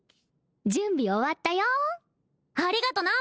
準備終わったよありがとな